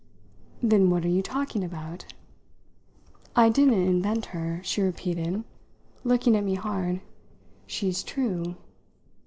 "Then what are you talking about?" "I didn't invent her," she repeated, looking at me hard. "She's true."